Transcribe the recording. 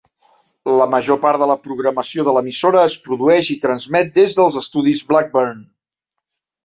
La major part de la programació de l'emissora es produeix i transmet des dels estudis Blackburn.